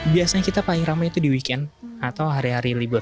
biasanya kita paling ramai itu di weekend atau hari hari libur